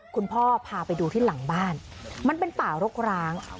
คุณพ่อพาไปดูที่หลังบ้านมันเป็นป่ารกร้าง